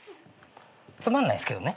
つまんないですけどね。